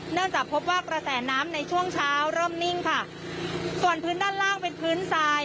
เนื่องจากพบว่ากระแสน้ำในช่วงเช้าเริ่มนิ่งค่ะส่วนพื้นด้านล่างเป็นพื้นทราย